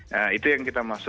nah itu yang kita maksud